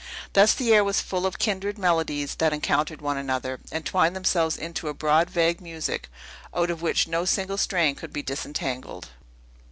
Thus, the air was full of kindred melodies that encountered one another, and twined themselves into a broad, vague music, out of which no single strain could be disentangled.